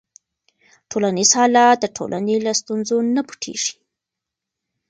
ټولنیز حالت د ټولنې له ستونزو نه پټيږي.